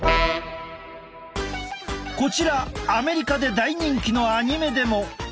こちらアメリカで大人気のアニメでも。